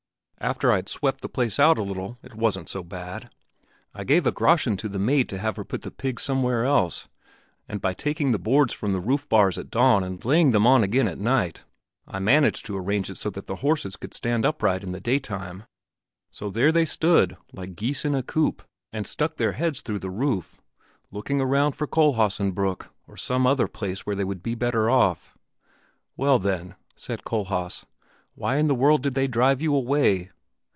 "After I had swept the place out a little, it wasn't so bad! I gave a groschen to the maid to have her put the pigs somewhere else; and by taking the boards from the roof bars at dawn and laying them on again at night, I managed to arrange it so that the horses could stand upright in the daytime. So there they stood like geese in a coop, and stuck their heads through the roof, looking around for Kohlhaasenbrück or some other place where they would be better off." "Well then," said Kohlhaas, "why in the world did they drive you away?"